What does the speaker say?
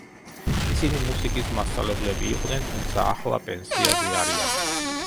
ისინი მუსიკის მასწავლებლები იყვნენ, თუმცა ახლა პენსიაზე არიან.